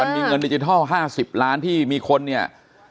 มีเงินดิจิทัล๕๐ล้านที่มีคนเนี่ย